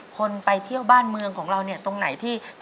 คนไปเที่ยวบ้านเมืองของเราเนี่ยตรงไหนที่